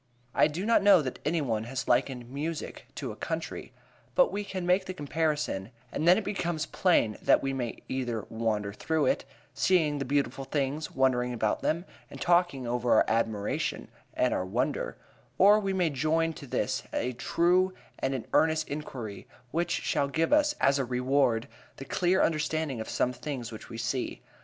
I do not know that any one has likened music to a country. But we can make the comparison, and then it becomes plain that we may either wander through it, seeing the beautiful things, wondering about them, and talking over our admiration and our wonder; or we may join to this a true and an earnest inquiry, which shall give us, as a reward, the clear understanding of some things which we see.